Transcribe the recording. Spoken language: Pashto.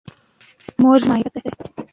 موږ د ژبې د معیار ساتنه کوو.